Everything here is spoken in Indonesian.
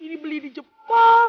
ini beli di jepang